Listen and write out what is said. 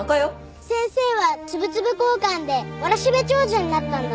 先生はつぶつぶこーかんでわらしべ長者になったんだぞ。